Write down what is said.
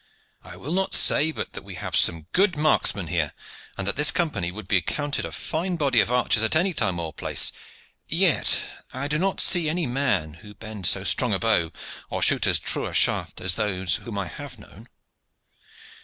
I will not say but that we have some good marksmen here, and that this Company would be accounted a fine body of archers at any time or place. Yet I do not see any men who bend so strong a bow or shoot as true a shaft as those whom I have known."